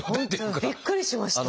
本当びっくりしました。